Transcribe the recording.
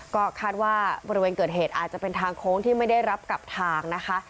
ก็คาดว่าบริเวณเกิดเหตุอาจจะเป็นทางโค้งที่ไม่ได้รับกับทางนะคะ